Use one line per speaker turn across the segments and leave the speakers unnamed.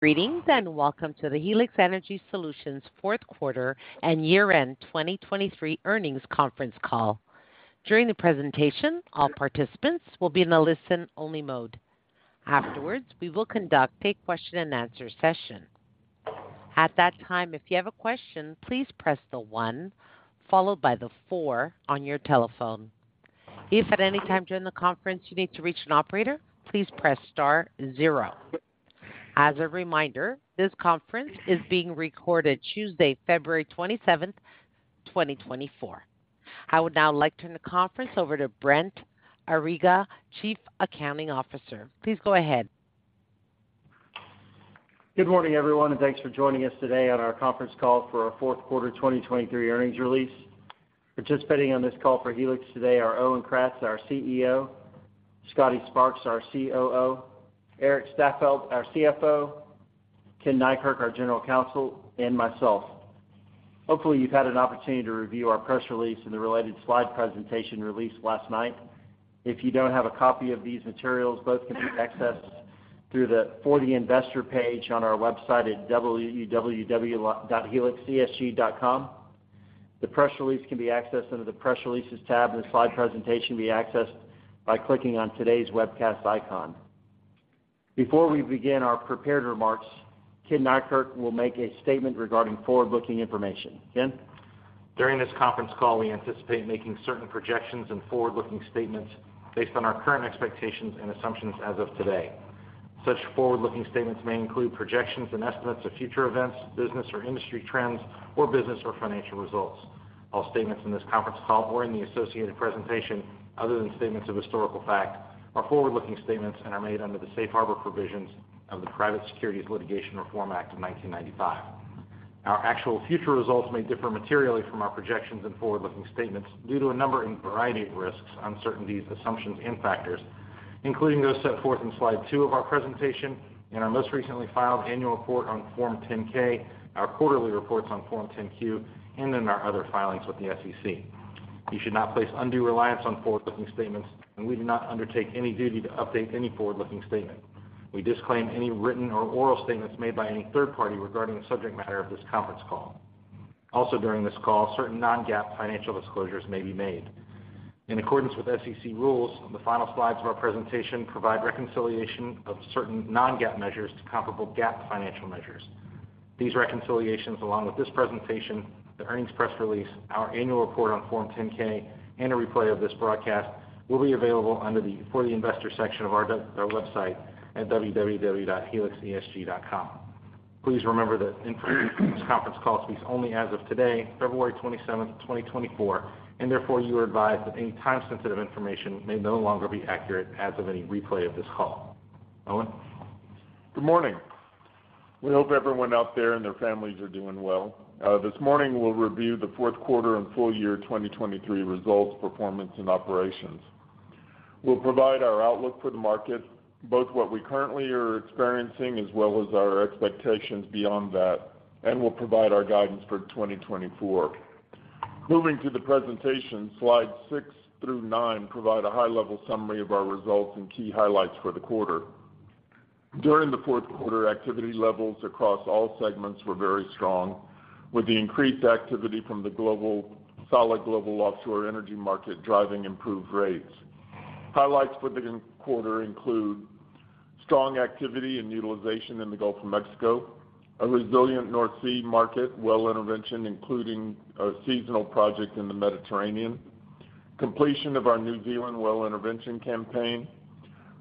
Greetings, and welcome to the Helix Energy Solutions fourth quarter and year-end 2023 earnings conference call. During the presentation, all participants will be in a listen-only mode. Afterwards, we will conduct a question-and-answer session. At that time, if you have a question, please press the one followed by the four on your telephone. If at any time during the conference you need to reach an operator, please press Star zero. As a reminder, this conference is being recorded, Tuesday, February 27, 2024. I would now like to turn the conference over to Brent Arriaga, Chief Accounting Officer. Please go ahead.
Good morning, everyone, and thanks for joining us today on our conference call for our fourth quarter 2023 earnings release. Participating on this call for Helix today are Owen Kratz, our CEO; Scotty Sparks, our COO; Erik Staffeldt, our CFO; Ken Neikirk, our General Counsel; and myself. Hopefully, you've had an opportunity to review our press release and the related slide presentation released last night. If you don't have a copy of these materials, both can be accessed through the For the Investor page on our website at www.helixesg.com. The press release can be accessed under the Press Releases tab, and the slide presentation can be accessed by clicking on today's webcast icon. Before we begin our prepared remarks, Ken Neikirk will make a statement regarding forward-looking information. Ken?
During this conference call, we anticipate making certain projections and forward-looking statements based on our current expectations and assumptions as of today. Such forward-looking statements may include projections and estimates of future events, business or industry trends, or business or financial results. All statements in this conference call or in the associated presentation, other than statements of historical fact, are forward-looking statements and are made under the safe harbor provisions of the Private Securities Litigation Reform Act of 1995. Our actual future results may differ materially from our projections and forward-looking statements due to a number and variety of risks, uncertainties, assumptions, and factors, including those set forth in slide two of our presentation, in our most recently filed annual report on Form 10-K, our quarterly reports on Form 10-Q, and in our other filings with the SEC. You should not place undue reliance on forward-looking statements, and we do not undertake any duty to update any forward-looking statement. We disclaim any written or oral statements made by any third party regarding the subject matter of this conference call. Also, during this call, certain non-GAAP financial disclosures may be made. In accordance with SEC rules, the final slides of our presentation provide reconciliation of certain non-GAAP measures to comparable GAAP financial measures. These reconciliations, along with this presentation, the earnings press release, our annual report on Form 10-K, and a replay of this broadcast, will be available under the For the Investor section of our website at www.helixesg.com. Please remember that information in this conference call speaks only as of today, February 27, 2024, and therefore, you are advised that any time-sensitive information may no longer be accurate as of any replay of this call. Owen?
Good morning. We hope everyone out there and their families are doing well. This morning, we'll review the fourth quarter and full year 2023 results, performance, and operations. We'll provide our outlook for the market, both what we currently are experiencing as well as our expectations beyond that, and we'll provide our guidance for 2024. Moving to the presentation, slides six through nine provide a high-level summary of our results and key highlights for the quarter. During the fourth quarter, activity levels across all segments were very strong, with the increased activity from the global—solid global offshore energy market driving improved rates. Highlights for the quarter include strong activity and utilization in the Gulf of Mexico, a resilient North Sea market, well intervention, including a seasonal project in the Mediterranean, completion of our New Zealand well intervention campaign,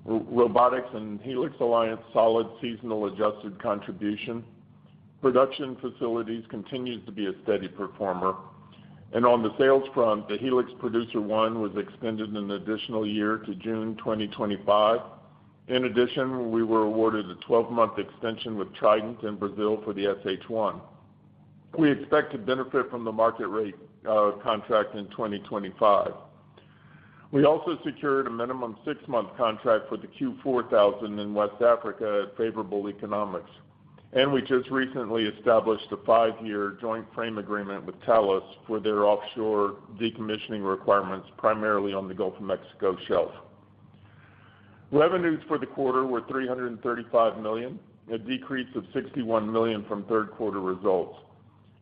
robotics and Helix Alliance solid seasonal adjusted contribution. Production facilities continues to be a steady performer, and on the sales front, the Helix Producer 1 was extended an additional year to June 2025. In addition, we were awarded a 12-month extension with Trident in Brazil for the SH1. We expect to benefit from the market rate contract in 2025. We also secured a minimum six-month contract for the Q4000 in West Africa at favorable economics, and we just recently established a five-year joint frame agreement with Talos for their offshore decommissioning requirements, primarily on the Gulf of Mexico shelf. Revenues for the quarter were $335 million, a decrease of $61 million from third quarter results.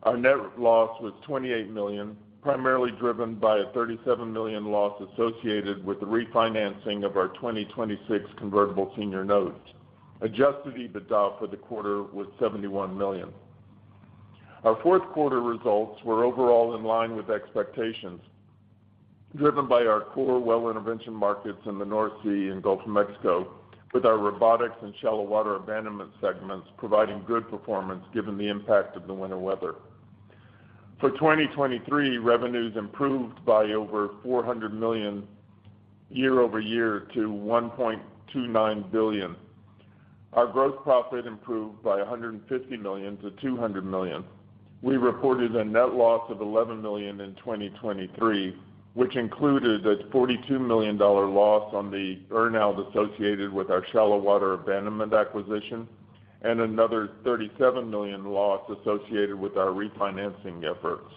Our net loss was $28 million, primarily driven by a $37 million loss associated with the refinancing of our 2026 convertible senior notes. Adjusted EBITDA for the quarter was $71 million. Our fourth quarter results were overall in line with expectations, driven by our core well intervention markets in the North Sea and Gulf of Mexico, with our robotics and shallow water abandonment segments providing good performance given the impact of the winter weather. For 2023, revenues improved by over $400 million year-over-year to $1.29 billion. Our gross profit improved by $150 million to $200 million. We reported a net loss of $11 million in 2023, which included a $42 million loss on the earn-out associated with our shallow water abandonment acquisition and another $37 million loss associated with our refinancing efforts.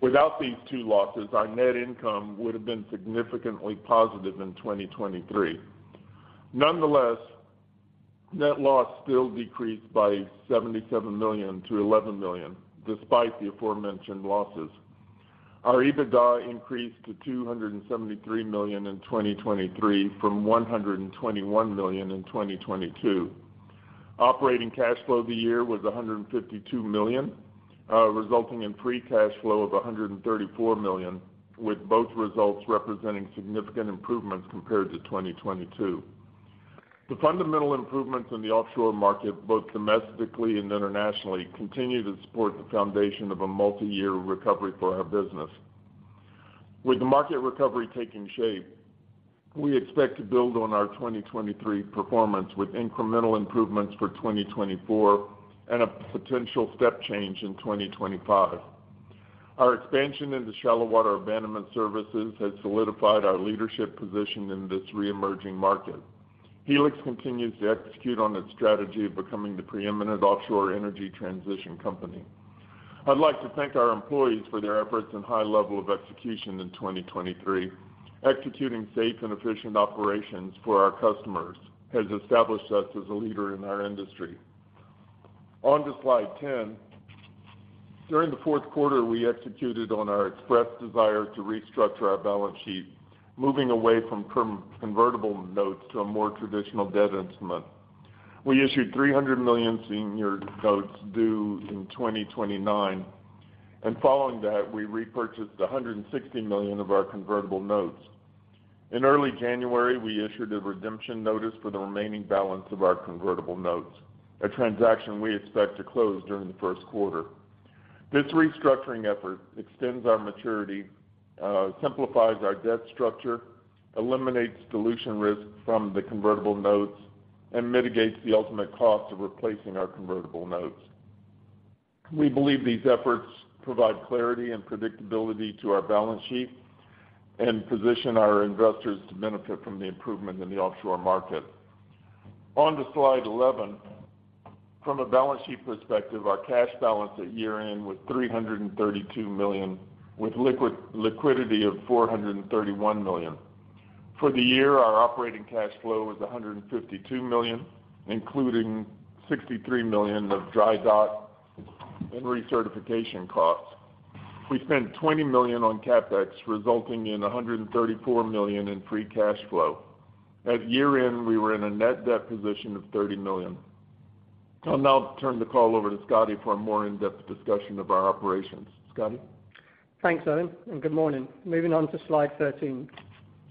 Without these two losses, our net income would have been significantly positive in 2023. Nonetheless, net loss still decreased by $77 million to $11 million, despite the aforementioned losses. Our EBITDA increased to $273 million in 2023 from $121 million in 2022. Operating cash flow of the year was $152 million, resulting in free cash flow of $134 million, with both results representing significant improvements compared to 2022. The fundamental improvements in the offshore market, both domestically and internationally, continue to support the foundation of a multi-year recovery for our business. With the market recovery taking shape, we expect to build on our 2023 performance with incremental improvements for 2024 and a potential step change in 2025. Our expansion into shallow water abandonment services has solidified our leadership position in this reemerging market. Helix continues to execute on its strategy of becoming the preeminent offshore energy transition company. I'd like to thank our employees for their efforts and high level of execution in 2023. Executing safe and efficient operations for our customers has established us as a leader in our industry. On to Slide 10. During the fourth quarter, we executed on our express desire to restructure our balance sheet, moving away from our convertible notes to a more traditional debt instrument. We issued $300 million senior notes due in 2029, and following that, we repurchased $160 million of our convertible notes. In early January, we issued a redemption notice for the remaining balance of our convertible notes, a transaction we expect to close during the first quarter. This restructuring effort extends our maturity, simplifies our debt structure, eliminates dilution risk from the convertible notes, and mitigates the ultimate cost of replacing our convertible notes. We believe these efforts provide clarity and predictability to our balance sheet and position our investors to benefit from the improvement in the offshore market. On to Slide 11. From a balance sheet perspective, our cash balance at year-end was $332 million, with liquidity of $431 million. For the year, our operating cash flow was $152 million, including $63 million of dry dock and recertification costs. We spent $20 million on CapEx, resulting in $134 million in free cash flow. At year-end, we were in a net debt position of $30 million. I'll now turn the call over to Scotty for a more in-depth discussion of our operations. Scotty?
Thanks, Owen, and good morning. Moving on to Slide 13.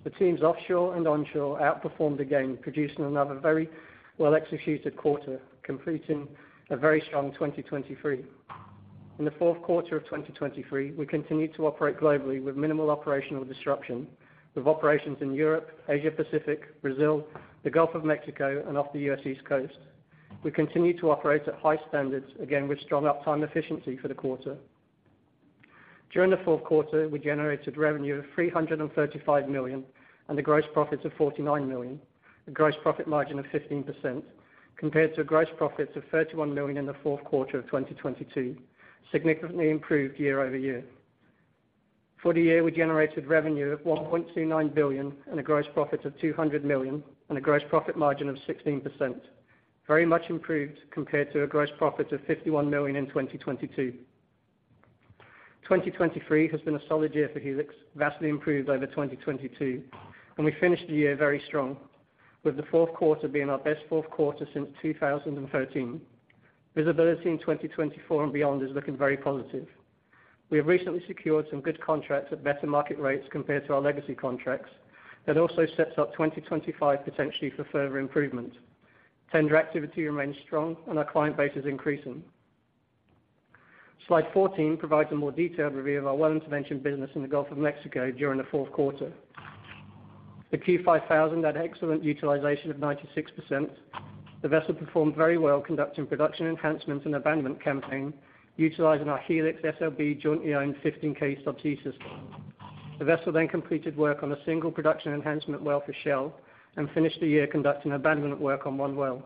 The teams offshore and onshore outperformed again, producing another very well-executed quarter, completing a very strong 2023. In the fourth quarter of 2023, we continued to operate globally with minimal operational disruption, with operations in Europe, Asia-Pacific, Brazil, the Gulf of Mexico, and off the US East Coast. We continued to operate at high standards, again with strong uptime efficiency for the quarter. During the fourth quarter, we generated revenue of $335 million and a gross profit of $49 million, a gross profit margin of 15%, compared to a gross profit of $31 million in the fourth quarter of 2022, significantly improved year-over-year. For the year, we generated revenue of $1.29 billion and a gross profit of $200 million, and a gross profit margin of 16%, very much improved compared to a gross profit of $51 million in 2022. 2023 has been a solid year for Helix, vastly improved over 2022, and we finished the year very strong, with the fourth quarter being our best fourth quarter since 2013. Visibility in 2024 and beyond is looking very positive. We have recently secured some good contracts at better market rates compared to our legacy contracts. That also sets up 2025 potentially for further improvement. Tender activity remains strong, and our client base is increasing. Slide 14 provides a more detailed review of our well intervention business in the Gulf of Mexico during the fourth quarter. The Q5000 had excellent utilization of 96%. The vessel performed very well, conducting production enhancement and abandonment campaign, utilizing our Helix SLB jointly owned 15K subsea system. The vessel then completed work on a single production enhancement well for Shell and finished the year conducting abandonment work on one well.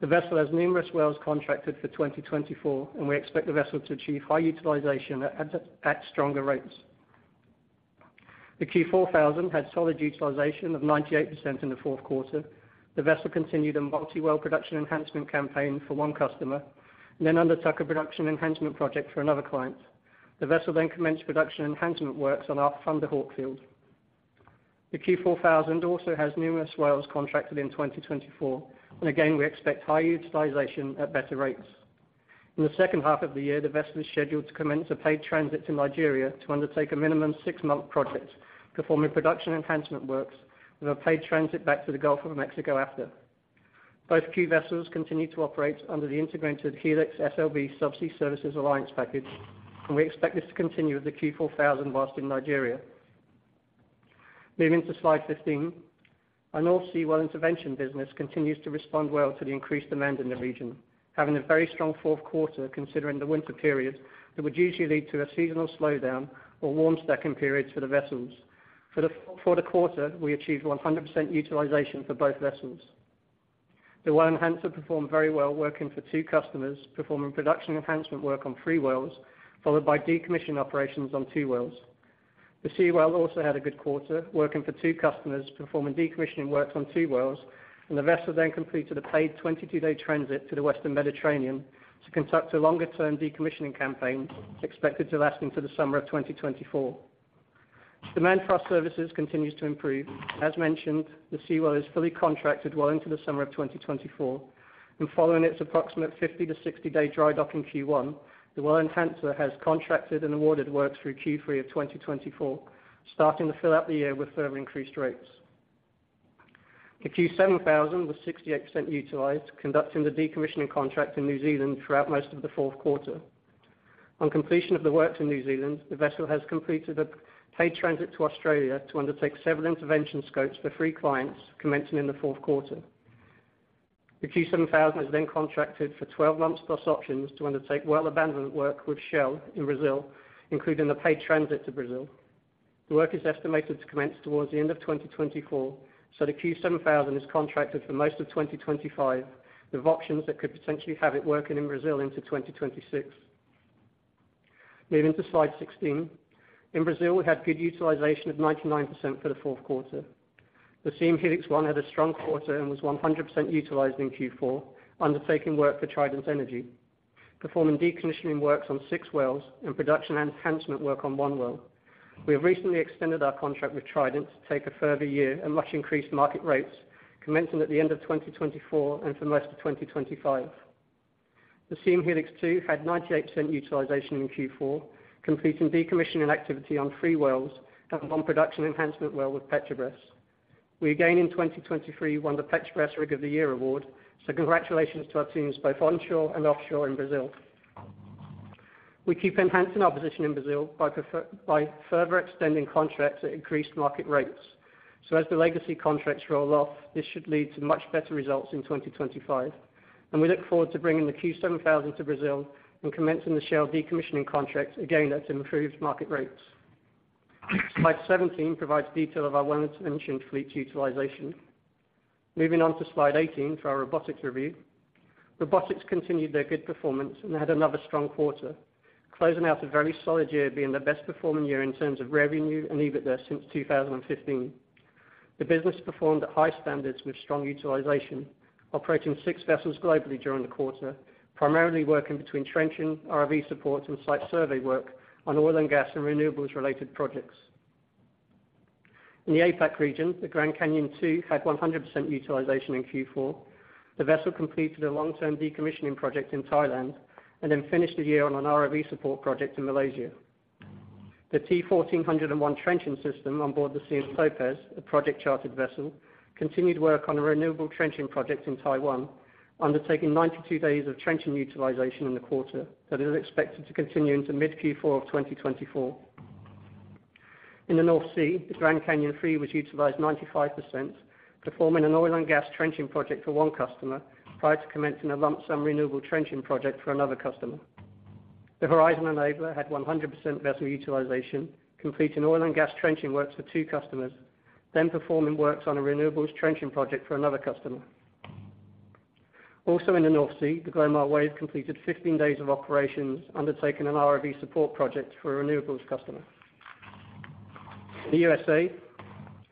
The vessel has numerous wells contracted for 2024, and we expect the vessel to achieve high utilization at stronger rates. The Q4000 had solid utilization of 98% in the fourth quarter. The vessel continued a multi-well production enhancement campaign for one customer, and then undertook a production enhancement project for another client. The vessel then commenced production enhancement works on our Thunder Hawk field. The Q4000 also has numerous wells contracted in 2024, and again, we expect high utilization at better rates. In the second half of the year, the vessel is scheduled to commence a paid transit to Nigeria to undertake a minimum six-month project, performing production enhancement works with a paid transit back to the Gulf of Mexico after. Both Q vessels continue to operate under the integrated Helix SLB Subsea Services Alliance package, and we expect this to continue with the Q4000 whilst in Nigeria. Moving to Slide 15. Our North Sea well intervention business continues to respond well to the increased demand in the region, having a very strong fourth quarter, considering the winter period, that would usually lead to a seasonal slowdown or warm stacking periods for the vessels. For the quarter, we achieved 100% utilization for both vessels. The Well Enhancer performed very well, working for two customers, performing production enhancement work on three wells, followed by decommissioning operations on two wells. The Seawell also had a good quarter, working for two customers, performing decommissioning works on two wells, and the vessel then completed a paid 22-day transit to the Western Mediterranean to conduct a longer-term decommissioning campaign, expected to last into the summer of 2024. Demand for our services continues to improve. As mentioned, the Seawell is fully contracted well into the summer of 2024, and following its approximate 50-60-day dry dock in Q1, the Well Enhancer has contracted and awarded work through Q3 of 2024, starting to fill out the year with further increased rates. The Q7000 was 68% utilized, conducting the decommissioning contract in New Zealand throughout most of the fourth quarter. On completion of the works in New Zealand, the vessel has completed a paid transit to Australia to undertake several intervention scopes for three clients, commencing in the fourth quarter. The Q7000 is then contracted for 12 months plus options to undertake well abandonment work with Shell in Brazil, including the paid transit to Brazil. The work is estimated to commence towards the end of 2024, so the Q7000 is contracted for most of 2025, with options that could potentially have it working in Brazil into 2026. Moving to Slide 16. In Brazil, we had good utilization of 99% for the fourth quarter. The Siem Helix I had a strong quarter and was 100% utilized in Q4, undertaking work for Trident Energy, performing decommissioning works on six wells and production enhancement work on one well. We have recently extended our contract with Trident to take a further year and much increased market rates, commencing at the end of 2024 and for most of 2025. The Siem Helix II had 98% utilization in Q4, completing decommissioning activity on three wells and one production enhancement well with Petrobras. We, again, in 2023, won the Petrobras Rig of the Year award, so congratulations to our teams both onshore and offshore in Brazil. We keep enhancing our position in Brazil by further extending contracts at increased market rates. So as the legacy contracts roll off, this should lead to much better results in 2025, and we look forward to bringing the Q7000 to Brazil and commencing the Shell decommissioning contract, again, at improved market rates. Slide 17 provides detail of our well intervention fleet's utilization. Moving on to Slide 18, for our robotics review. Robotics continued their good performance and had another strong quarter, closing out a very solid year, being their best performing year in terms of revenue and EBITDA since 2015. The business performed at high standards with strong utilization, operating six vessels globally during the quarter, primarily working between trenching, ROV support, and site survey work on oil and gas and renewables-related projects. In the APAC region, the Grand Canyon II had 100% utilization in Q4. The vessel completed a long-term decommissioning project in Thailand and then finished the year on an ROV support project in Malaysia. The T1401 trenching system on board the Siem Topaz, a project-chartered vessel, continued work on a renewable trenching project in Taiwan, undertaking 92 days of trenching utilization in the quarter, that is expected to continue into mid-Q4 of 2024. In the North Sea, the Grand Canyon III was utilized 95%, performing an oil and gas trenching project for one customer prior to commencing a lump sum renewable trenching project for another customer. The Horizon Enabler had 100% vessel utilization, completing oil and gas trenching works for two customers, then performing works on a renewables trenching project for another customer. Also in the North Sea, the Glomar Wave completed 15 days of operations, undertaking an ROV support project for a renewables customer. In the USA,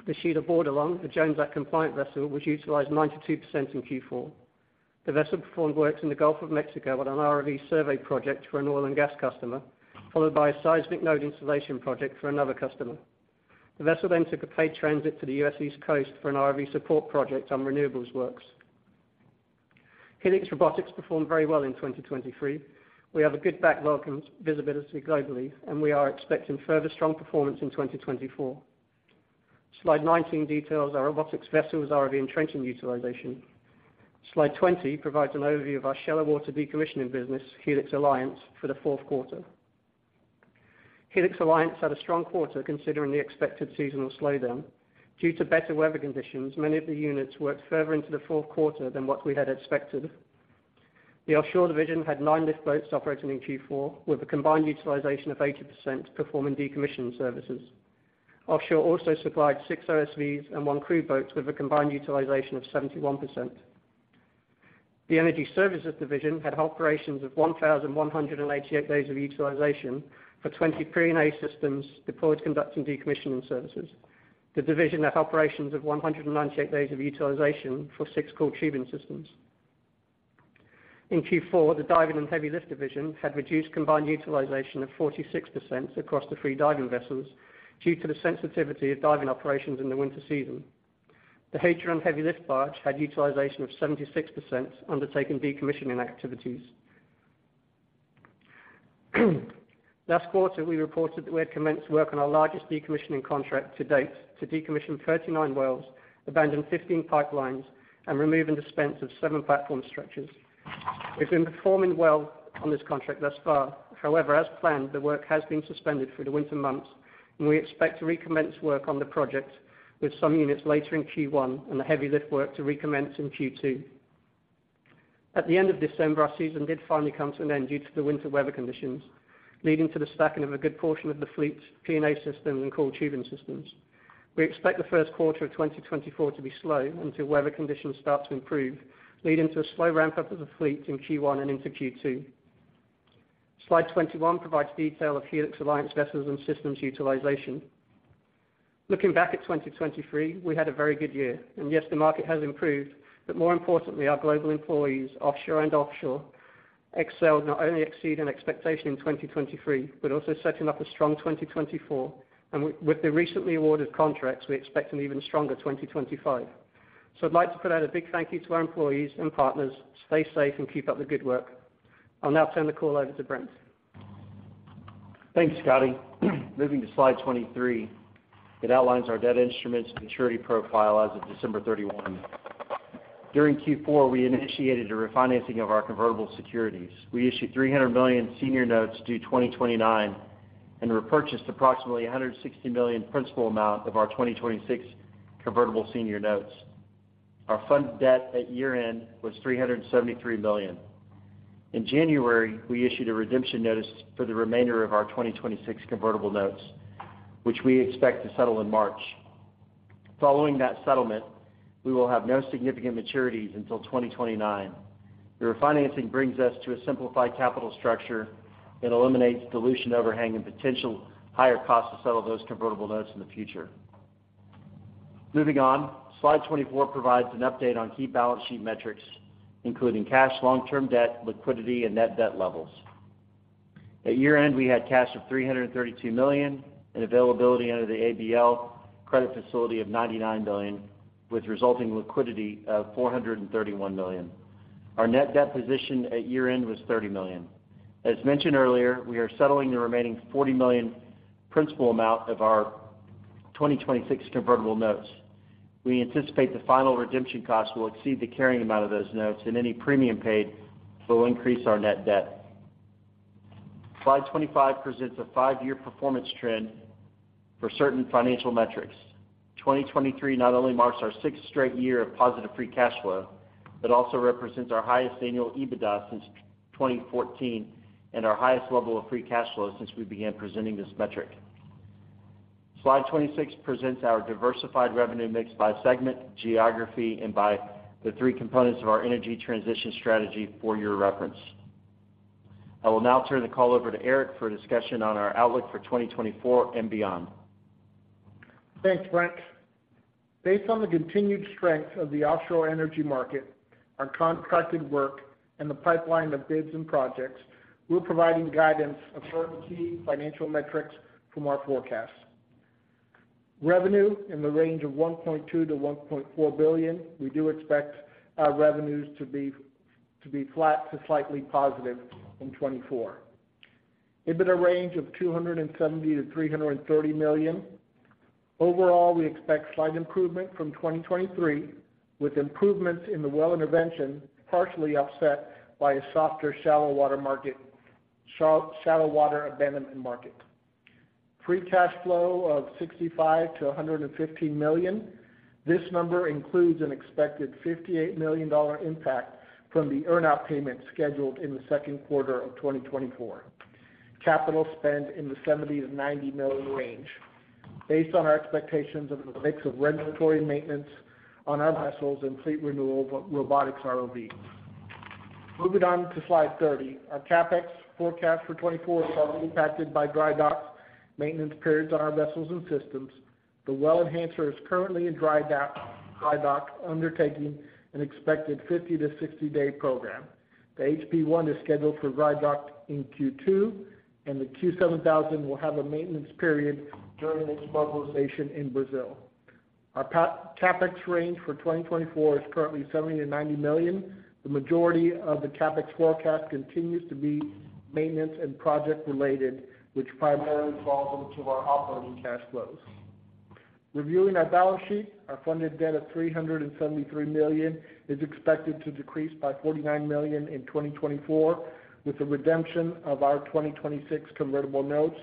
the Shelia Bordelon, a Jones Act-compliant vessel, was utilized 92% in Q4. The vessel performed works in the Gulf of Mexico on an ROV survey project for an oil and gas customer, followed by a seismic node installation project for another customer. The vessel then took a paid transit to the US East Coast for an ROV support project on renewables works. Helix Robotics performed very well in 2023. We have a good backlog and visibility globally, and we are expecting further strong performance in 2024. Slide 19 details our robotics vessels, ROV, and trenching utilization. Slide 20 provides an overview of our shallow water decommissioning business, Helix Alliance, for the fourth quarter. Helix Alliance had a strong quarter, considering the expected seasonal slowdown. Due to better weather conditions, many of the units worked further into the fourth quarter than what we had expected. The offshore division had nine lift boats operating in Q4, with a combined utilization of 80%, performing decommissioning services. Offshore also supplied six OSVs and one crew boat with a combined utilization of 71%. The energy services division had operations of 1,188 days of utilization for 20 P&A systems deployed conducting decommissioning services. The division had operations of 198 days of utilization for six coiled tubing systems. In Q4, the diving and heavy lift division had reduced combined utilization of 46% across the three diving vessels due to the sensitivity of diving operations in the winter season. The Helix Heavy Lift barge had utilization of 76%, undertaking decommissioning activities. Last quarter, we reported that we had commenced work on our largest decommissioning contract to date, to decommission 39 wells, abandon 15 pipelines, and remove and dispose of seven platform structures. We've been performing well on this contract thus far. However, as planned, the work has been suspended for the winter months, and we expect to recommence work on the project with some units later in Q1, and the heavy lift work to recommence in Q2. At the end of December, our season did finally come to an end due to the winter weather conditions, leading to the stacking of a good portion of the fleet's P&A system and coiled tubing systems. We expect the first quarter of 2024 to be slow until weather conditions start to improve, leading to a slow ramp-up of the fleet in Q1 and into Q2. Slide 21 provides detail of Helix Alliance vessels and systems utilization. Looking back at 2023, we had a very good year, and yes, the market has improved, but more importantly, our global employees, offshore and offshore, excelled, not only exceeding expectation in 2023, but also setting up a strong 2024. With the recently awarded contracts, we expect an even stronger 2025. So I'd like to put out a big thank you to our employees and partners. Stay safe and keep up the good work. I'll now turn the call over to Brent.
Thanks, Scotty. Moving to slide 23, it outlines our debt instruments maturity profile as of December 31. During Q4, we initiated a refinancing of our convertible securities. We issued $300 million senior notes due 2029, and repurchased approximately $160 million principal amount of our 2026 convertible senior notes. Our funded debt at year-end was $373 million. In January, we issued a redemption notice for the remainder of our 2026 convertible notes, which we expect to settle in March. Following that settlement, we will have no significant maturities until 2029. The refinancing brings us to a simplified capital structure and eliminates dilution overhang and potential higher costs to settle those convertible notes in the future. Moving on, slide 24 provides an update on key balance sheet metrics, including cash, long-term debt, liquidity, and net debt levels. At year-end, we had cash of $332 million, and availability under the ABL credit facility of $99 billion, with resulting liquidity of $431 million. Our net debt position at year-end was $30 million. As mentioned earlier, we are settling the remaining $40 million principal amount of our 2026 convertible notes. We anticipate the final redemption cost will exceed the carrying amount of those notes, and any premium paid will increase our net debt. Slide 25 presents a five-year performance trend for certain financial metrics. 2023 not only marks our sixth straight year of positive free cash flow, but also represents our highest annual EBITDA since 2014, and our highest level of free cash flow since we began presenting this metric. Slide 26 presents our diversified revenue mix by segment, geography, and by the three components of our energy transition strategy for your reference. I will now turn the call over to Erik for a discussion on our outlook for 2024 and beyond.
Thanks, Brent. Based on the continued strength of the offshore energy market, our contracted work, and the pipeline of bids and projects, we're providing guidance of certain key financial metrics from our forecast. Revenue in the range of $1.2 billion-$1.4 billion. We do expect our revenues to be, to be flat to slightly positive in 2024. EBITDA range of $270 million-$330 million. Overall, we expect slight improvement from 2023, with improvements in the well intervention, partially offset by a softer shallow water market, shallow water abandonment market. Free cash flow of $65 million-$115 million. This number includes an expected $58 million impact from the earn out payment scheduled in the second quarter of 2024. Capital spend in the $70 million-$90 million range, based on our expectations of the mix of regulatory maintenance on our vessels and fleet renewal, but robotics ROVs. Moving on to slide 30. Our CapEx forecast for 2024 is currently impacted by dry docks, maintenance periods on our vessels and systems. The Well Enhancer is currently in dry dock, undertaking an expected 50-60-day program. The HP I is scheduled for dry dock in Q2, and the Q7000 will have a maintenance period during its mobilization in Brazil. Our CapEx range for 2024 is currently $70 million-$90 million. The majority of the CapEx forecast continues to be maintenance and project-related, which primarily falls into our operating cash flows. Reviewing our balance sheet, our funded debt of $373 million is expected to decrease by $49 million in 2024, with the redemption of our 2026 convertible notes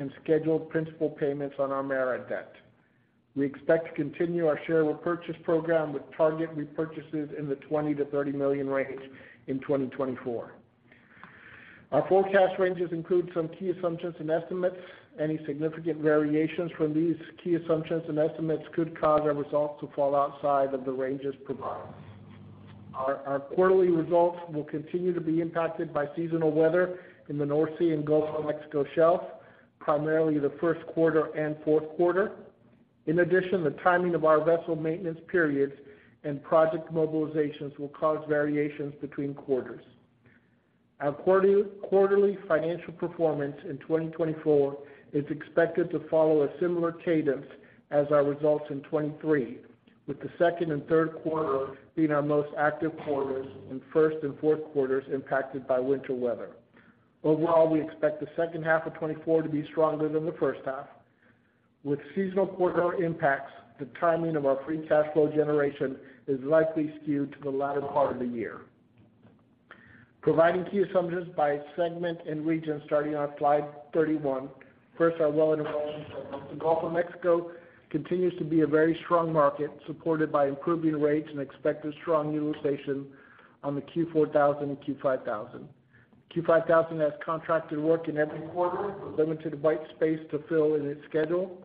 and scheduled principal payments on our MARAD debt. We expect to continue our share repurchase program with target repurchases in the $20-$30 million range in 2024. Our forecast ranges include some key assumptions and estimates. Any significant variations from these key assumptions and estimates could cause our results to fall outside of the ranges provided. Our quarterly results will continue to be impacted by seasonal weather in the North Sea and Gulf of Mexico Shelf, primarily the first quarter and fourth quarter. In addition, the timing of our vessel maintenance periods and project mobilizations will cause variations between quarters. Our quarterly, quarterly financial performance in 2024 is expected to follow a similar cadence as our results in 2023, with the second and third quarter being our most active quarters, and first and fourth quarters impacted by winter weather. Overall, we expect the second half of 2024 to be stronger than the first half. With seasonal quarter impacts, the timing of our free cash flow generation is likely skewed to the latter part of the year. Providing key assumptions by segment and region, starting on Slide 31. First, our well intervention segment. The Gulf of Mexico continues to be a very strong market, supported by improving rates and expected strong utilization on the Q4000 and Q5000. Q5000 has contracted work in every quarter, with limited white space to fill in its schedule.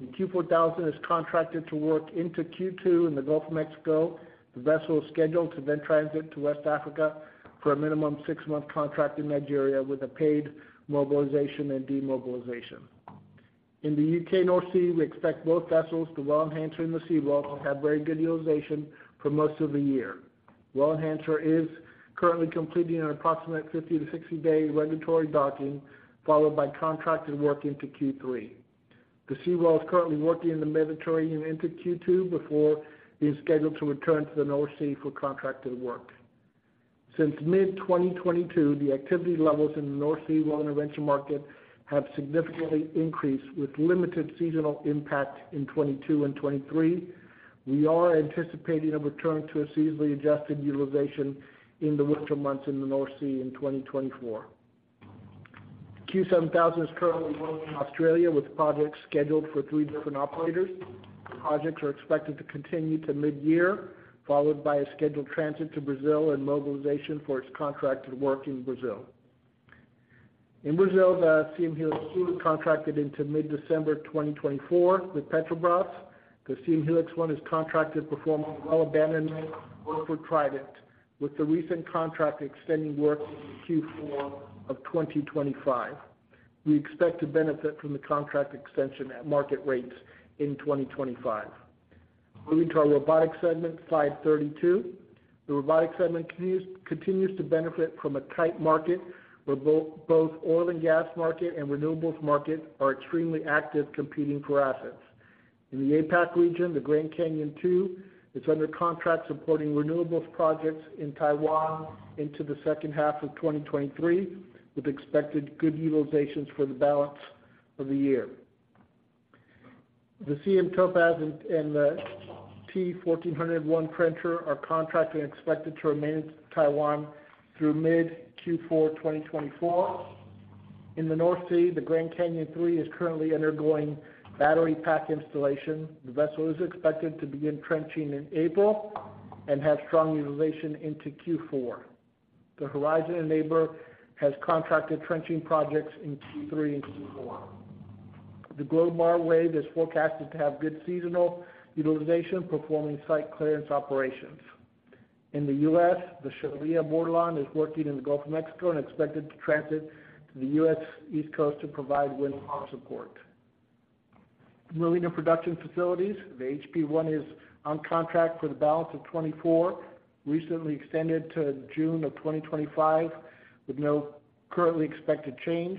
The Q4000 is contracted to work into Q2 in the Gulf of Mexico. The vessel is scheduled to then transit to West Africa for a minimum six-month contract in Nigeria, with a paid mobilization and demobilization. In the UK North Sea, we expect both vessels, the Well Enhancer and the Seawell, to have very good utilization for most of the year. Well Enhancer is currently completing an approximate 50- to 60-day regulatory docking, followed by contracted work into Q3. The Seawell is currently working in the Mediterranean into Q2 before it is scheduled to return to the North Sea for contracted work. Since mid-2022, the activity levels in the North Sea well intervention market have significantly increased, with limited seasonal impact in 2022 and 2023. We are anticipating a return to a seasonally adjusted utilization in the winter months in the North Sea in 2024. Q7000 is currently working in Australia, with projects scheduled for three different operators. The projects are expected to continue to midyear, followed by a scheduled transit to Brazil and mobilization for its contracted work in Brazil. In Brazil, the Siem Helix 2 is contracted into mid-December 2024 with Petrobras. The Siem Helix 1 is contracted performing well abandonment work with Trident, with the recent contract extending work into Q4 of 2025. We expect to benefit from the contract extension at market rates in 2025. Moving to our robotics segment, Slide 32. The robotics segment continues to benefit from a tight market, where both oil and gas market and renewables market are extremely active, competing for assets. In the APAC region, the Grand Canyon II is under contract supporting renewables projects in Taiwan into the second half of 2023, with expected good utilizations for the balance of the year. The Siem Topaz and the T1401 trencher are contracted and expected to remain in Taiwan through mid-Q4 2024. In the North Sea, the Grand Canyon III is currently undergoing battery pack installation. The vessel is expected to begin trenching in April and have strong utilization into Q4. The Horizon Enabler has contracted trenching projects in Q3 and Q4. The Glomar Wave is forecasted to have good seasonal utilization, performing site clearance operations. In the US, the Shelia Bordelon is working in the Gulf of Mexico and expected to transit to the US East Coast to provide wind farm support. Moving to production facilities, the HP I is on contract for the balance of 2024, recently extended to June of 2025, with no currently expected change.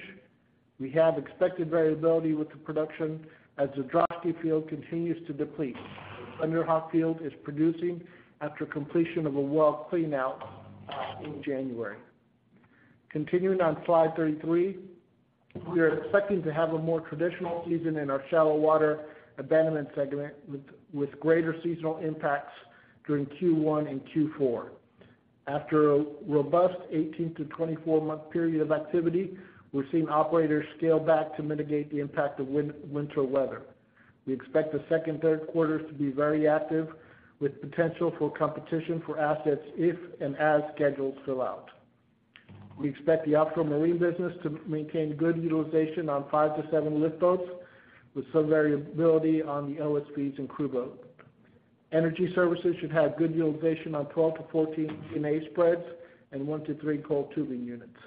We have expected variability with the production as the Droshky field continues to deplete. Thunder Hawk field is producing after completion of a well cleanout in January. Continuing on Slide 33. We are expecting to have a more traditional season in our shallow water abandonment segment, with greater seasonal impacts during Q1 and Q4. After a robust 18- to 24-month period of activity, we're seeing operators scale back to mitigate the impact of winter weather. We expect the second and third quarters to be very active, with potential for competition for assets if and as schedules fill out. We expect the offshore marine business to maintain good utilization on five-seven lift boats, with some variability on the OSVs and crew boats. Energy services should have good utilization on 12-14 P&A spreads and one-three coiled tubing units.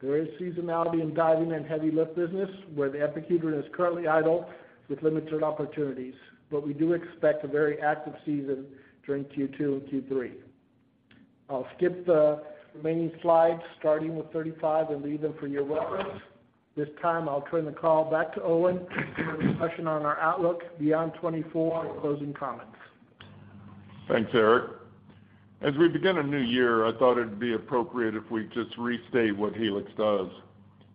There is seasonality in diving and heavy lift business, where the Escutia is currently idle with limited opportunities, but we do expect a very active season during Q2 and Q3. I'll skip the remaining slides, starting with 35, and leave them for your reference. This time, I'll turn the call back to Owen for discussion on our outlook beyond 2024 and closing comments.
Thanks, Erik. As we begin a new year, I thought it'd be appropriate if we just restate what Helix does.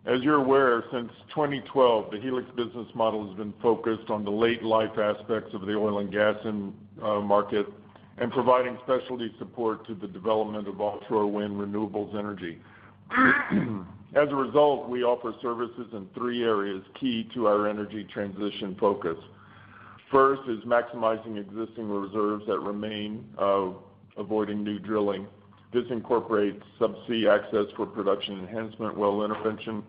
As you're aware, since 2012, the Helix business model has been focused on the late-life aspects of the oil and gas and market, and providing specialty support to the development of offshore wind renewables energy. As a result, we offer services in three areas key to our energy transition focus. First is maximizing existing reserves that remain, avoiding new drilling. This incorporates subsea access for production enhancement, well intervention,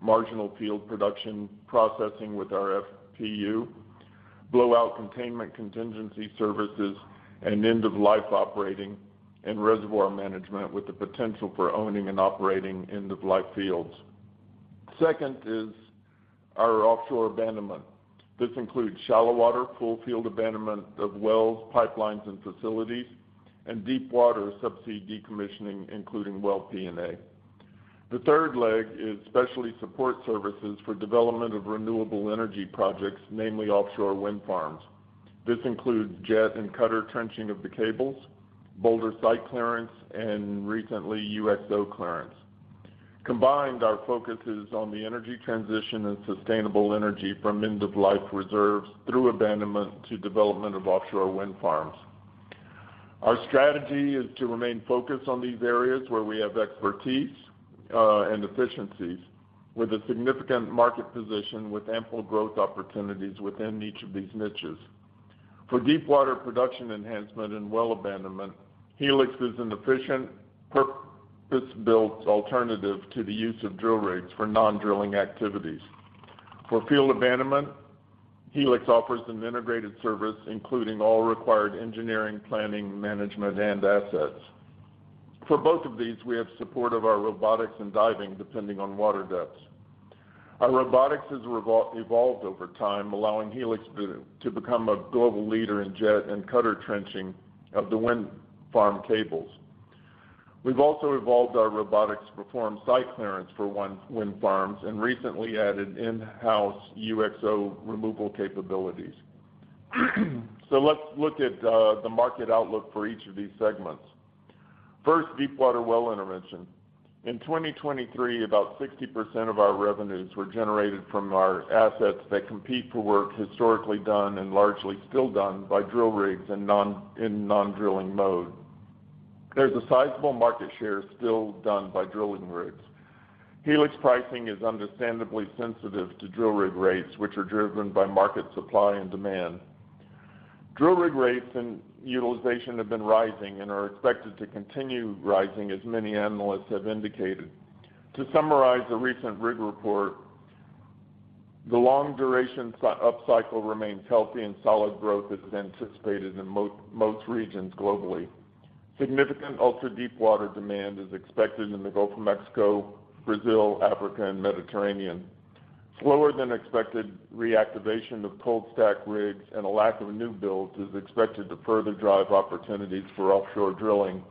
marginal field production, processing with our FPU, blowout containment contingency services, and end-of-life operating and reservoir management, with the potential for owning and operating end-of-life fields. Second is our offshore abandonment. This includes shallow water, full field abandonment of wells, pipelines, and facilities, and deep water subsea decommissioning, including well P&A. The third leg is specialty support services for development of renewable energy projects, namely offshore wind farms. This includes jet and cutter trenching of the cables, boulder site clearance, and recently, UXO clearance. Combined, our focus is on the energy transition and sustainable energy from end-of-life reserves through abandonment to development of offshore wind farms. Our strategy is to remain focused on these areas where we have expertise, and efficiencies, with a significant market position with ample growth opportunities within each of these niches. For deepwater production enhancement and well abandonment, Helix is an efficient, purpose-built alternative to the use of drill rigs for non-drilling activities. For field abandonment, Helix offers an integrated service, including all required engineering, planning, management, and assets. For both of these, we have support of our robotics and diving, depending on water depths. Our robotics has evolved over time, allowing Helix to become a global leader in jet and cutter trenching of the wind farm cables. We've also evolved our robotics to perform site clearance for offshore wind farms, and recently added in-house UXO removal capabilities. So let's look at the market outlook for each of these segments. First, deepwater well intervention. In 2023, about 60% of our revenues were generated from our assets that compete for work historically done and largely still done by drill rigs in non-drilling mode. There's a sizable market share still done by drilling rigs. Helix pricing is understandably sensitive to drill rig rates, which are driven by market supply and demand. Drill rig rates and utilization have been rising and are expected to continue rising, as many analysts have indicated. To summarize a recent rig report, the long-duration cycle upcycle remains healthy and solid growth is anticipated in most regions globally. Significant ultra-deepwater demand is expected in the Gulf of Mexico, Brazil, Africa, and Mediterranean. Slower than expected reactivation of cold stack rigs and a lack of new builds is expected to further drive opportunities for offshore drilling,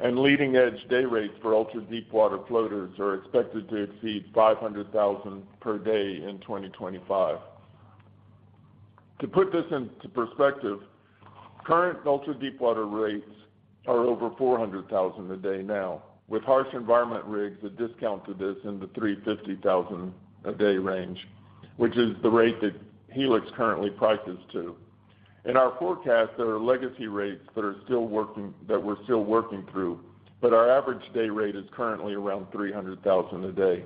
and leading-edge day rates for ultra-deepwater floaters are expected to exceed $500,000 per day in 2025. To put this into perspective, current ultra-deepwater rates are over $400,000 a day now, with harsh environment rigs a discount to this in the $350,000 a day range, which is the rate that Helix currently prices to. In our forecast, there are legacy rates that we're still working through, but our average day rate is currently around $300,000 a day.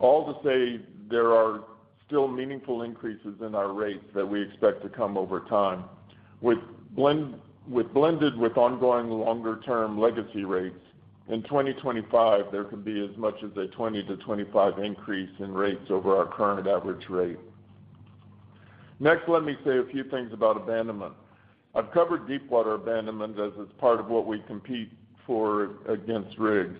All to say, there are still meaningful increases in our rates that we expect to come over time. With blend, with blended with ongoing longer-term legacy rates, in 2025, there could be as much as a 20-25 increase in rates over our current average rate. Next, let me say a few things about abandonment. I've covered deepwater abandonment as it's part of what we compete for against rigs.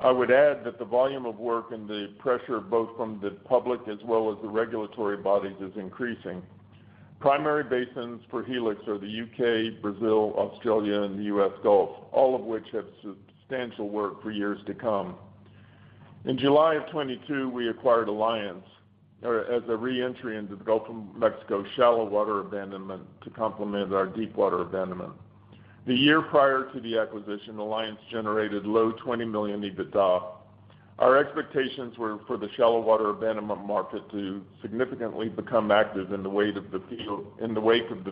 I would add that the volume of work and the pressure, both from the public as well as the regulatory bodies, is increasing. Primary basins for Helix are the U.K, Brazil, Australia, and the U.S. Gulf, all of which have substantial work for years to come. In July of 2022, we acquired Alliance as a reentry into the Gulf of Mexico shallow water abandonment to complement our deepwater abandonment. The year prior to the acquisition, Alliance generated low $20 million EBITDA. Our expectations were for the shallow water abandonment market to significantly become active in the wake of the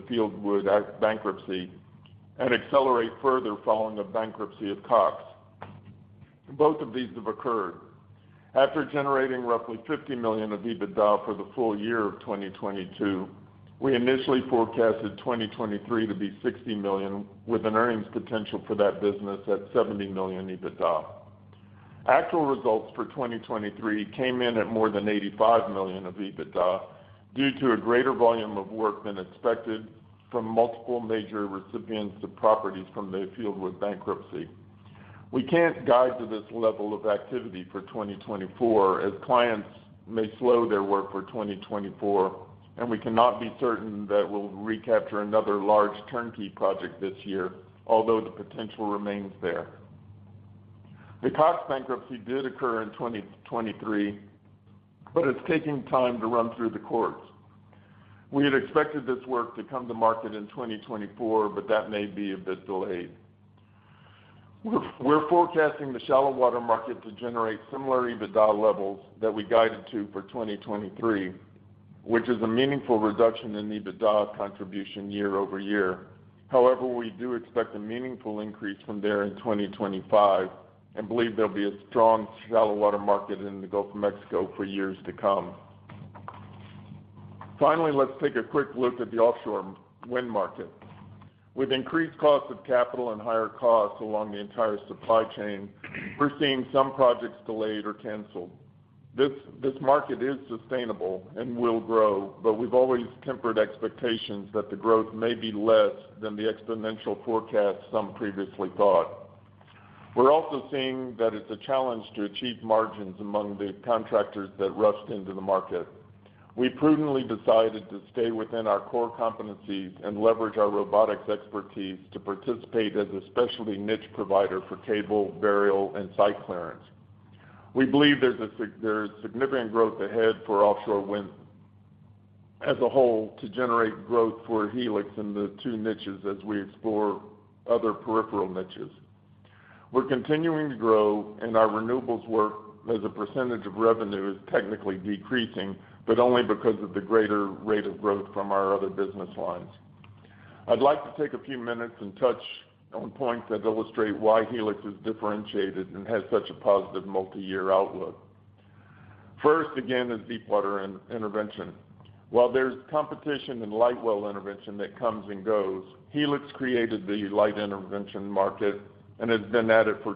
Fieldwood bankruptcy and accelerate further following the bankruptcy of Cox. Both of these have occurred. After generating roughly $50 million of EBITDA for the full year of 2022, we initially forecasted 2023 to be $60 million, with an earnings potential for that business at $70 million EBITDA. Actual results for 2023 came in at more than $85 million of EBITDA due to a greater volume of work than expected from multiple major recipients of properties from the Fieldwood bankruptcy. We can't guide to this level of activity for 2024, as clients may slow their work for 2024, and we cannot be certain that we'll recapture another large turnkey project this year, although the potential remains there. The Cox bankruptcy did occur in 2023, but it's taking time to run through the courts. We had expected this work to come to market in 2024, but that may be a bit delayed. We're forecasting the shallow water market to generate similar EBITDA levels that we guided to for 2023, which is a meaningful reduction in EBITDA contribution year over year. However, we do expect a meaningful increase from there in 2025 and believe there'll be a strong shallow water market in the Gulf of Mexico for years to come. Finally, let's take a quick look at the offshore wind market. With increased costs of capital and higher costs along the entire supply chain, we're seeing some projects delayed or canceled. This market is sustainable and will grow, but we've always tempered expectations that the growth may be less than the exponential forecast some previously thought. We're also seeing that it's a challenge to achieve margins among the contractors that rushed into the market. We prudently decided to stay within our core competencies and leverage our robotics expertise to participate as a specialty niche provider for cable, burial, and site clearance. We believe there's significant growth ahead for offshore wind... as a whole to generate growth for Helix in the two niches as we explore other peripheral niches. We're continuing to grow, and our renewables work as a percentage of revenue is technically decreasing, but only because of the greater rate of growth from our other business lines. I'd like to take a few minutes and touch on points that illustrate why Helix is differentiated and has such a positive multi-year outlook. First, again, is deepwater intervention. While there's competition in light well intervention that comes and goes, Helix created the light intervention market and has been at it for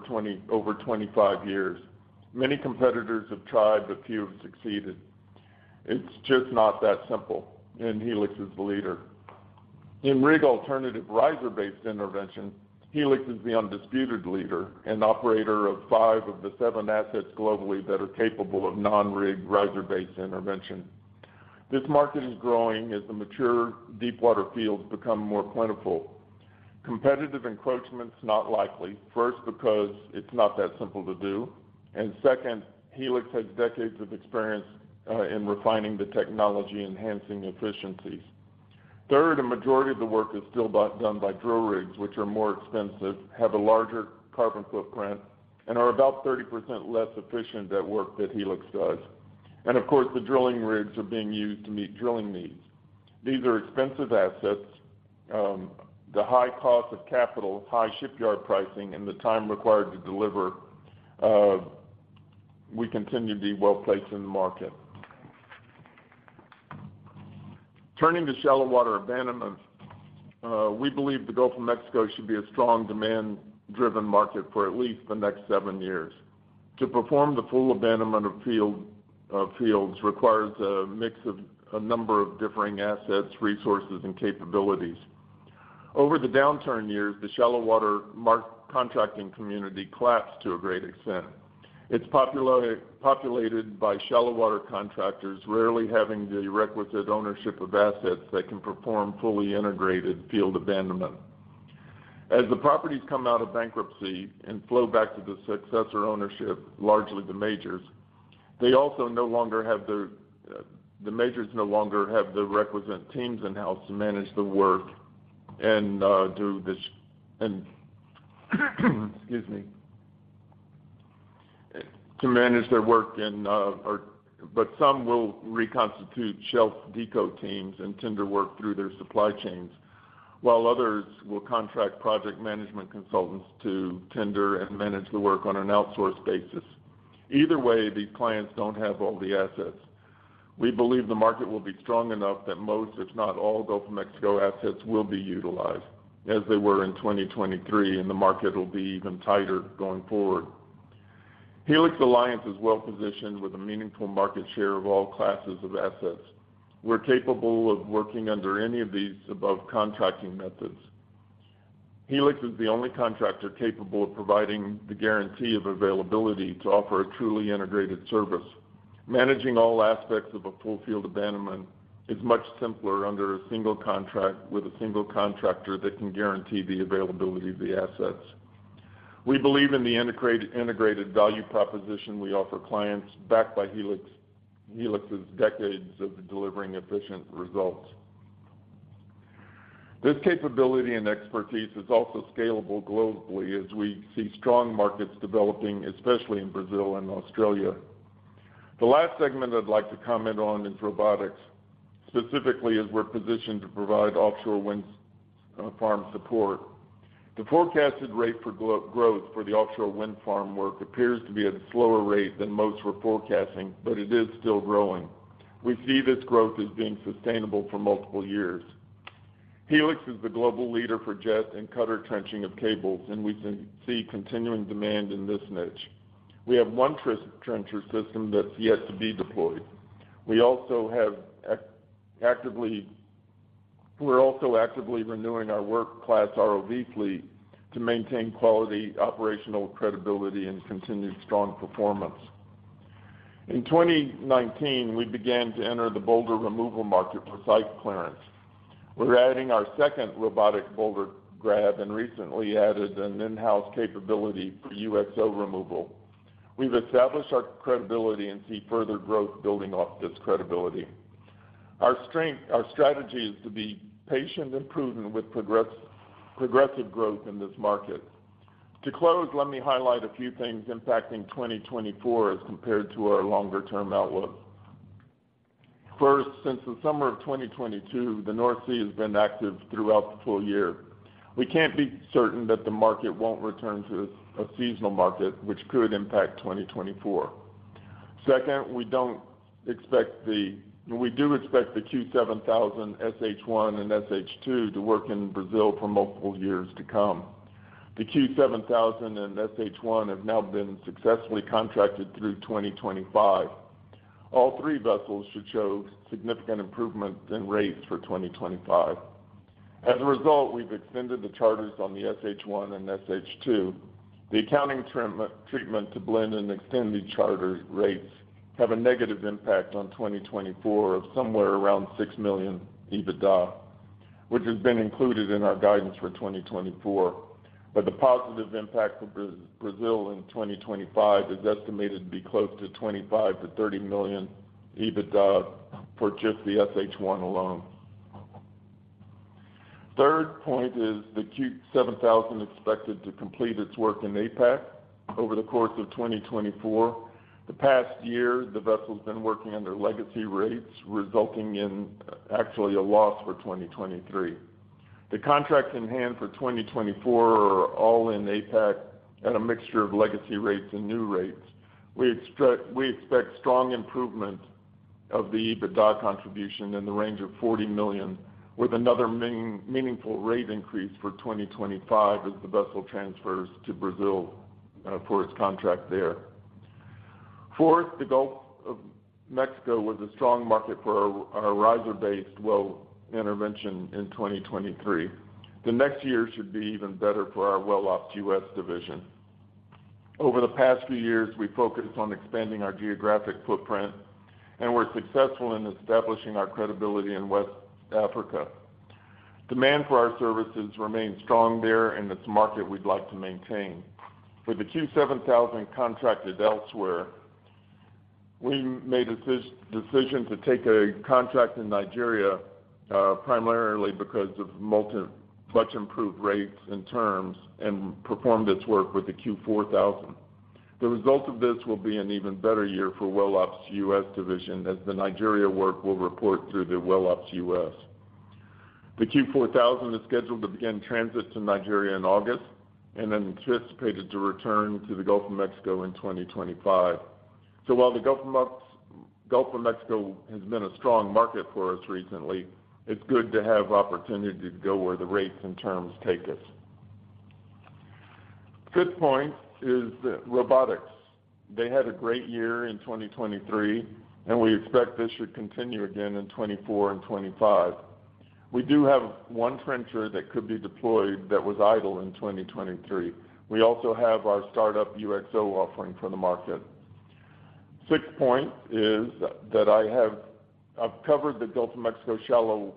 over 25 years. Many competitors have tried, but few have succeeded. It's just not that simple, and Helix is the leader. In rig alternative riser-based intervention, Helix is the undisputed leader and operator of five of the seven assets globally that are capable of non-rig, riser-based intervention. This market is growing as the mature deepwater fields become more plentiful. Competitive encroachment's not likely, first, because it's not that simple to do, and second, Helix has decades of experience, in refining the technology, enhancing efficiencies. Third, a majority of the work is still done by drill rigs, which are more expensive, have a larger carbon footprint, and are about 30% less efficient at work that Helix does. And of course, the drilling rigs are being used to meet drilling needs. These are expensive assets. The high cost of capital, high shipyard pricing, and the time required to deliver, we continue to be well-placed in the market. Turning to shallow water abandonment, we believe the Gulf of Mexico should be a strong demand-driven market for at least the next 7 years. To perform the full abandonment of fields requires a mix of a number of differing assets, resources, and capabilities. Over the downturn years, the shallow water market contracting community collapsed to a great extent. It's populated by shallow water contractors, rarely having the requisite ownership of assets that can perform fully integrated field abandonment. As the properties come out of bankruptcy and flow back to the successor ownership, largely the majors, they also no longer have the the majors no longer have the requisite teams in-house to manage the work and do this, and excuse me to manage their work and or but some will reconstitute shelf deco teams and tender work through their supply chains, while others will contract project management consultants to tender and manage the work on an outsourced basis. Either way, these clients don't have all the assets. We believe the market will be strong enough that most, if not all, Gulf of Mexico assets will be utilized as they were in 2023, and the market will be even tighter going forward. Helix Alliance is well positioned with a meaningful market share of all classes of assets. We're capable of working under any of these above contracting methods. Helix is the only contractor capable of providing the guarantee of availability to offer a truly integrated service. Managing all aspects of a full field abandonment is much simpler under a single contract with a single contractor that can guarantee the availability of the assets. We believe in the integrated value proposition we offer clients, backed by Helix, Helix's decades of delivering efficient results. This capability and expertise is also scalable globally as we see strong markets developing, especially in Brazil and Australia. The last segment I'd like to comment on is robotics. Specifically, as we're positioned to provide offshore wind farm support. The forecasted rate for growth for the offshore wind farm work appears to be at a slower rate than most were forecasting, but it is still growing. We see this growth as being sustainable for multiple years. Helix is the global leader for jet and cutter trenching of cables, and we see continuing demand in this niche. We have one trencher system that's yet to be deployed. We're also actively renewing our work class ROV fleet to maintain quality, operational credibility, and continued strong performance. In 2019, we began to enter the boulder removal market for site clearance. We're adding our second robotic boulder grab and recently added an in-house capability for UXO removal. We've established our credibility and see further growth building off this credibility. Our strength, our strategy is to be patient and prudent with progressive growth in this market. To close, let me highlight a few things impacting 2024 as compared to our longer-term outlook. First, since the summer of 2022, the North Sea has been active throughout the full year. We can't be certain that the market won't return to a seasonal market, which could impact 2024. Second, we do expect the Q7000, SH1, and SH2 to work in Brazil for multiple years to come. The Q7000 and SH1 have now been successfully contracted through 2025. All three vessels should show significant improvement in rates for 2025. As a result, we've extended the charters on the SH1 and SH2. The accounting treatment to blend and extend the charter rates have a negative impact on 2024 of somewhere around $6 million EBITDA, which has been included in our guidance for 2024. But the positive impact of Brazil in 2025 is estimated to be close to $25 million-$30 million EBITDA for just the SH one alone. Third point is the Q7000 expected to complete its work in APAC over the course of 2024. The past year, the vessel's been working under legacy rates, resulting in actually a loss for 2023. The contracts in hand for 2024 are all in APAC at a mixture of legacy rates and new rates. We expect strong improvement of the EBITDA contribution in the range of $40 million, with another meaningful rate increase for 2025 as the vessel transfers to Brazil for its contract there. Fourth, the Gulf of Mexico was a strong market for our riser-based well intervention in 2023. The next year should be even better for our WellOps US division. Over the past few years, we focused on expanding our geographic footprint, and we're successful in establishing our credibility in West Africa. Demand for our services remains strong there, and it's a market we'd like to maintain. With the Q7000 contracted elsewhere, we made a decision to take a contract in Nigeria, primarily because of much improved rates and terms, and performed its work with the Q4000. The result of this will be an even better year for WellOps US division, as the Nigeria work will report through the WellOps US. The Q4000 is scheduled to begin transit to Nigeria in August, and then anticipated to return to the Gulf of Mexico in 2025. So while the Gulf of Mexico has been a strong market for us recently, it's good to have opportunity to go where the rates and terms take us. Fifth point is robotics. They had a great year in 2023, and we expect this should continue again in 2024 and 2025. We do have one trencher that could be deployed that was idle in 2023. We also have our startup UXO offering for the market. Sixth point is that I've covered the Gulf of Mexico shallow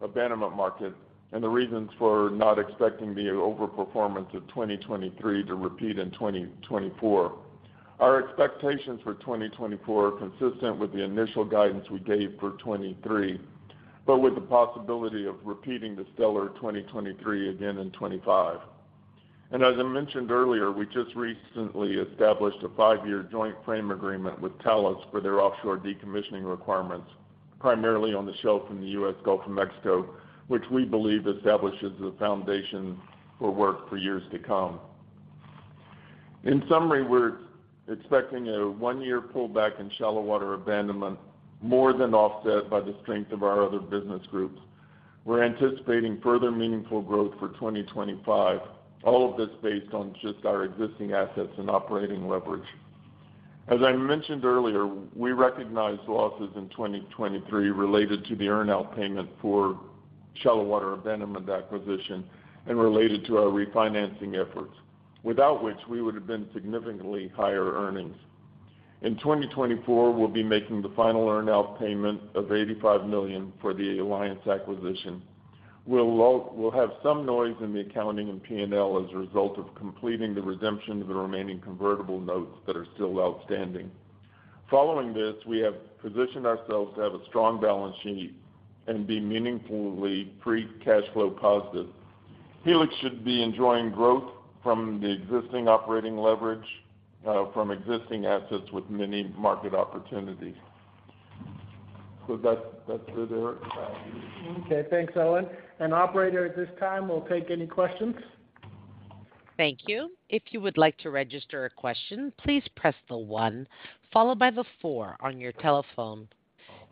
abandonment market and the reasons for not expecting the overperformance of 2023 to repeat in 2024. Our expectations for 2024 are consistent with the initial guidance we gave for 2023, but with the possibility of repeating the stellar 2023 again in 2025. As I mentioned earlier, we just recently established a five-year joint frame agreement with Talos for their offshore decommissioning requirements, primarily on the shelf in the U.S. Gulf of Mexico, which we believe establishes the foundation for work for years to come. In summary, we're expecting a one-year pullback in shallow water abandonment, more than offset by the strength of our other business groups. We're anticipating further meaningful growth for 2025, all of this based on just our existing assets and operating leverage. As I mentioned earlier, we recognized losses in 2023 related to the earn-out payment for shallow water abandonment acquisition and related to our refinancing efforts, without which we would have been significantly higher earnings. In 2024, we'll be making the final earn-out payment of $85 million for the Alliance acquisition. We'll have some noise in the accounting and P&L as a result of completing the redemption of the remaining convertible notes that are still outstanding. Following this, we have positioned ourselves to have a strong balance sheet and be meaningfully free cash flow positive. Helix should be enjoying growth from the existing operating leverage from existing assets with many market opportunities. So that, that's it, Eric.
Okay, thanks, Owen. Operator, at this time, we'll take any questions.
Thank you. If you would like to register a question, please press the one followed by the four on your telephone.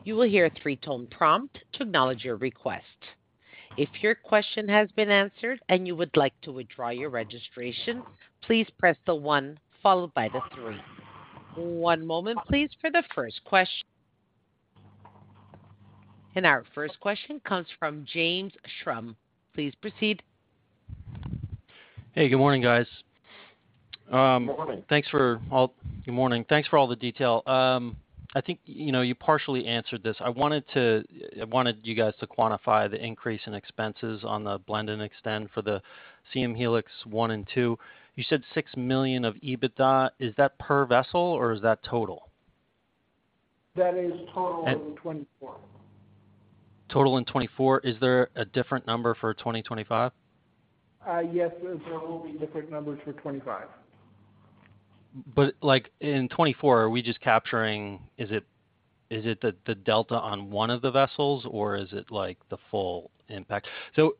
You will hear a three-tone prompt to acknowledge your request. If your question has been answered and you would like to withdraw your registration, please press the one followed by the three. One moment please, for the first question. And our first question comes from James Schrum. Please proceed.
Hey, good morning, guys.
Good morning.
Good morning. Thanks for all the detail. I think, you know, you partially answered this. I wanted to, I wanted you guys to quantify the increase in expenses on the blend and extend for the Siem Helix 1 and two. You said $6 million of EBITDA. Is that per vessel, or is that total?
That is total in 2024.
Total in 2024. Is there a different number for 2025?
Yes, there will be different numbers for 2025.
But, like, in 2024, are we just capturing. Is it the delta on one of the vessels, or is it, like, the full impact? So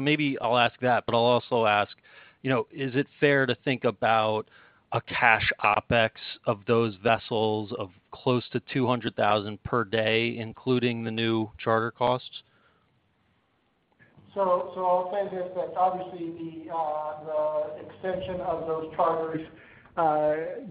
maybe I'll ask that, but I'll also ask, you know, is it fair to think about a cash OpEx of those vessels of close to $200,000 per day, including the new charter costs?
So, I'll say this, that obviously the extension of those charters,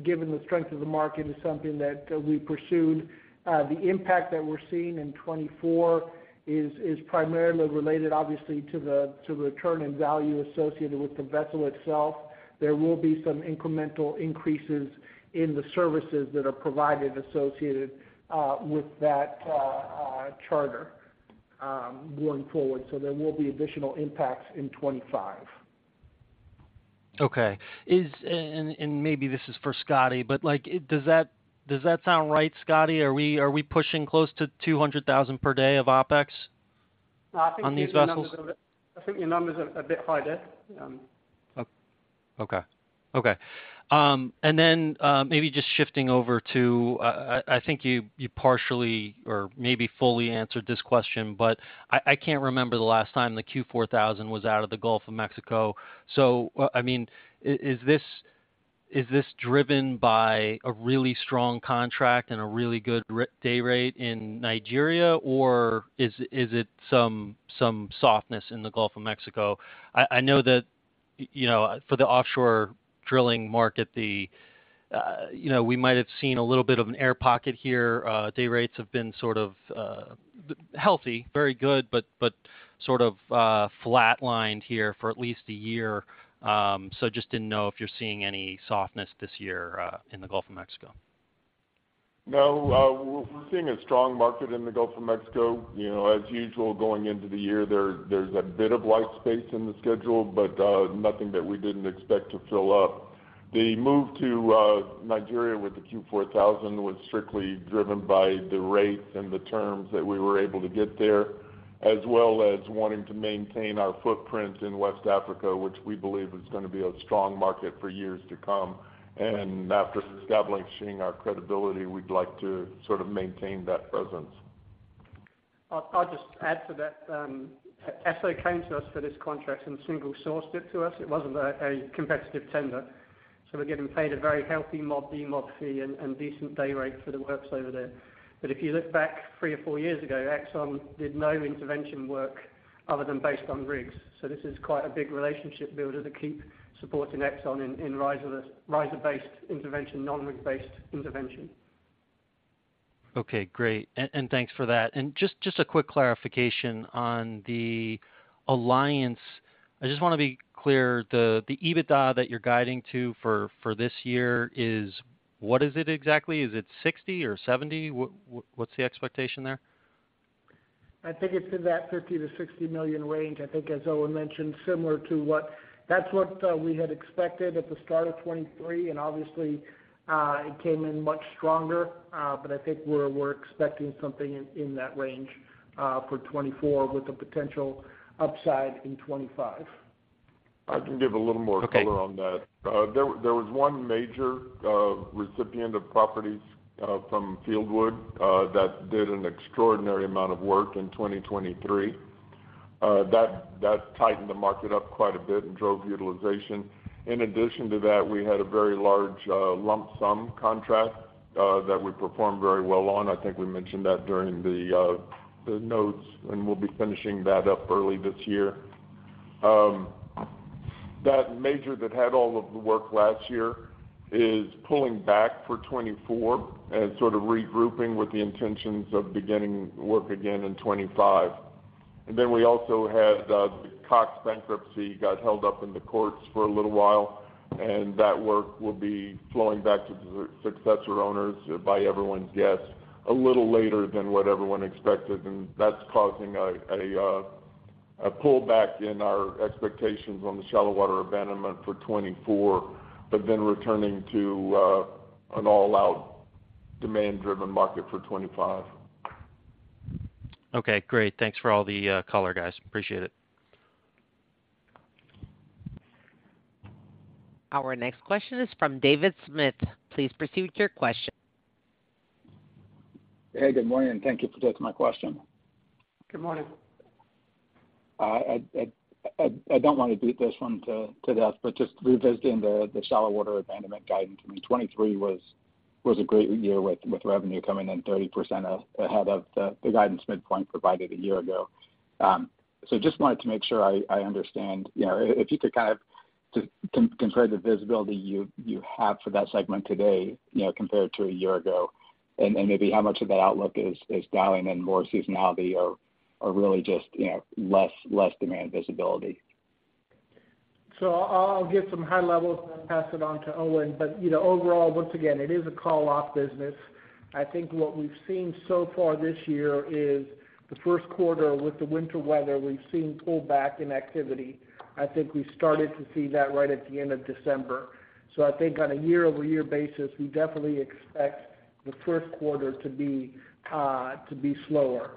given the strength of the market, is something that we pursued. The impact that we're seeing in 2024 is primarily related, obviously, to the return in value associated with the vessel itself. There will be some incremental increases in the services that are provided associated with that charter, going forward. So there will be additional impacts in 2025.
Okay. And maybe this is for Scotty, but like, does that sound right, Scotty? Are we pushing close to $200,000 per day of OpEx on these vessels?
I think your numbers are a bit higher.
Oh, okay. Okay. And then, maybe just shifting over to, I think you partially or maybe fully answered this question, but I can't remember the last time the Q4000 was out of the Gulf of Mexico. So, I mean, is this driven by a really strong contract and a really good day rate in Nigeria, or is it some softness in the Gulf of Mexico? I know that, you know, for the offshore drilling market, you know, we might have seen a little bit of an air pocket here. Day rates have been sort of healthy, very good, but sort of flatlined here for at least a year. So just didn't know if you're seeing any softness this year in the Gulf of Mexico.
No, we're, we're seeing a strong market in the Gulf of Mexico. You know, as usual, going into the year, there, there's a bit of white space in the schedule, but, nothing that we didn't expect to fill up. The move to, Nigeria with the Q4000 was strictly driven by the rates and the terms that we were able to get there, as well as wanting to maintain our footprint in West Africa, which we believe is gonna be a strong market for years to come. And after establishing our credibility, we'd like to sort of maintain that presence.
I'll just add to that. Esso came to us for this contract and single-sourced it to us. It wasn't a competitive tender, so we're getting paid a very healthy mob fee and decent day rate for the works over there. But if you look back three or four years ago, Exxon did no intervention work other than based on rigs. So this is quite a big relationship builder to keep supporting Exxon in riser-based intervention, non-rig-based intervention.
Okay, great. And thanks for that. Just a quick clarification on the alliance. I just wanna be clear, the EBITDA that you're guiding to for this year is, what is it exactly? Is it 60 or 70? What's the expectation there?
I think it's in that $50-$60 million range. I think, as Owen mentioned, similar to what- that's what we had expected at the start of 2023, and obviously, it came in much stronger. But I think we're, we're expecting something in, in that range, for 2024, with the potential upside in 2025.
I can give a little more-
Okay
color on that. There, there was one major recipient of properties from Fieldwood that did an extraordinary amount of work in 2023. That tightened the market up quite a bit and drove utilization. In addition to that, we had a very large lump sum contract that we performed very well on. I think we mentioned that during the notes, and we'll be finishing that up early this year. That major that had all of the work last year is pulling back for 2024 and sort of regrouping with the intentions of beginning work again in 2025. And then we also had, the Cox bankruptcy got held up in the courts for a little while, and that work will be flowing back to the successor owners, by everyone's guess, a little later than what everyone expected, and that's causing a pullback in our expectations on the shallow water abandonment for 2024, but then returning to, an all-out demand-driven market for 2025.
Okay, great. Thanks for all the color, guys. Appreciate it.
Our next question is from David Smith. Please proceed with your question.
Hey, good morning, and thank you for taking my question.
Good morning.
I don't want to beat this one to death, but just revisiting the shallow water abandonment guidance. I mean, 2023 was a great year with revenue coming in 30% ahead of the guidance midpoint provided a year ago. So just wanted to make sure I understand, you know, if you could kind of compare the visibility you have for that segment today, you know, compared to a year ago, and maybe how much of that outlook is dialing in more seasonality or really just, you know, less demand visibility.
So I'll give some high level and pass it on to Owen. But, you know, overall, once again, it is a call-off business. I think what we've seen so far this year is the first quarter with the winter weather, we've seen pullback in activity. I think we started to see that right at the end of December. So I think on a year-over-year basis, we definitely expect the first quarter to be, to be slower.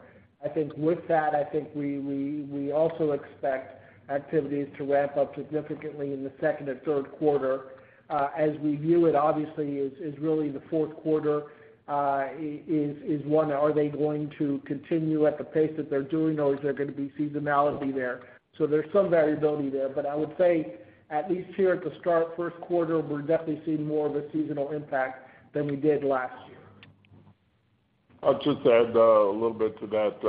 I think with that, I think we also expect activities to ramp up significantly in the second and third quarter. As we view it, obviously, is really the fourth quarter, is one, are they going to continue at the pace that they're doing, or is there gonna be seasonality there? There's some variability there, but I would say, at least here at the start, first quarter, we're definitely seeing more of a seasonal impact than we did last year.
I'll just add a little bit to that.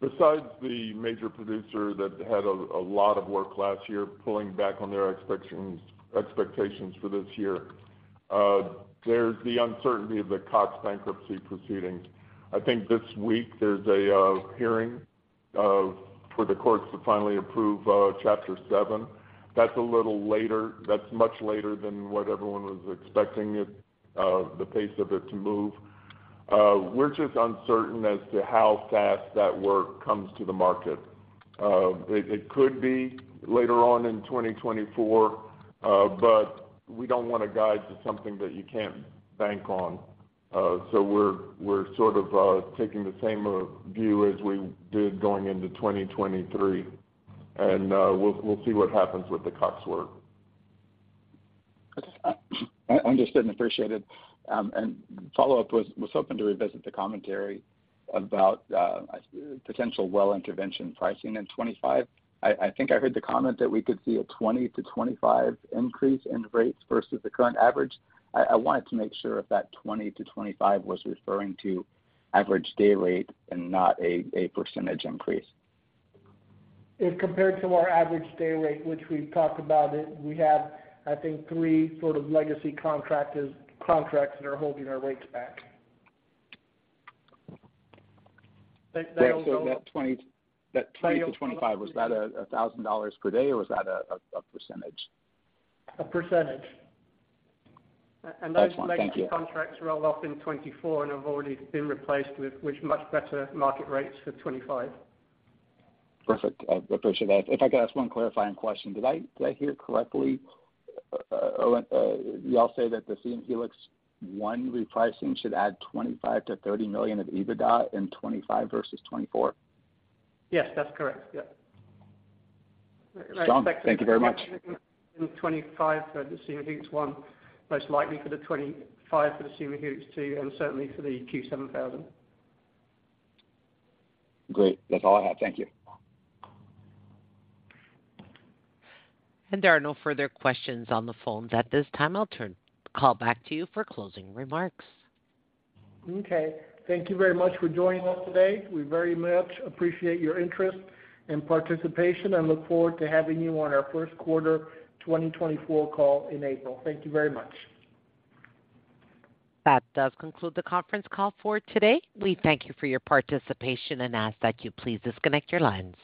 Besides the major producer that had a lot of work last year, pulling back on their expectations for this year, there's the uncertainty of the Cox bankruptcy proceeding. I think this week there's a hearing for the courts to finally approve Chapter Seven. That's a little later, that's much later than what everyone was expecting it, the pace of it to move. We're just uncertain as to how fast that work comes to the market. It could be later on in 2024, but we don't want to guide to something that you can't bank on. So we're sort of taking the same view as we did going into 2023, and we'll see what happens with the Cox work.
Okay. Understood and appreciated. Follow-up was hoping to revisit the commentary about potential well intervention pricing in 2025. I think I heard the comment that we could see a 20-25 increase in rates versus the current average. I wanted to make sure if that 20-25 was referring to average day rate and not a percentage increase.
If compared to our average day rate, which we've talked about, we have, I think, three sort of legacy contractors, contracts that are holding our rates back. They, they also-
That 20, that 20-25, is that $1,000 per day, or was that a percentage?
A percentage.
Excellent. Thank you.
Those contracts roll off in 2024 and have already been replaced with much better market rates for 2025.
Perfect. I appreciate that. If I could ask one clarifying question, did I hear correctly, you all say that the Seawell and Helix 1 repricing should add $25 million-$30 million of EBITDA in 2025 versus 2024?
Yes, that's correct. Yeah.
Strong. Thank you very much.
25 for the Siem Helix 1, most likely for the 25 for the Siem Helix 2, and certainly for the Q7000.
Great. That's all I have. Thank you.
There are no further questions on the phones at this time. I'll turn the call back to you for closing remarks.
Okay, thank you very much for joining us today. We very much appreciate your interest and participation, and look forward to having you on our first quarter 2024 call in April. Thank you very much.
That does conclude the conference call for today. We thank you for your participation and ask that you please disconnect your lines.